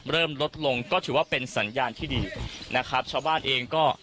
เริ่มลดลงก็ถือว่าเป็นสัญญาณที่ดีนะครับชาวบ้านเองก็